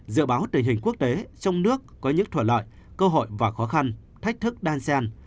dự báo tình hình quốc tế trong nước có những thuận lợi cơ hội và khó khăn thách thức đan sen